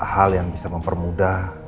hal yang bisa mempermudah